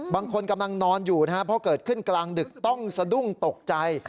บางคนกำลังนอนอยู่นะครับเพราะเกิดขึ้นกลางดึกต้องสะดุ้งตกใจ